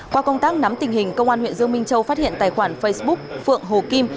qua công tác nắm tình hình công an huyện dương minh châu phát hiện tài khoản facebook phượng hồ kim